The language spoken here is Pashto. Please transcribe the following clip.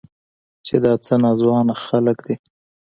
چې دا څه ناځوانه خلق دي.